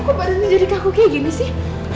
kok badannya jadi kaku kayak gini sih